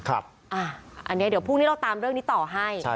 อันนี้เดี๋ยวพรุ่งนี้เราตามเรื่องนี้ต่อให้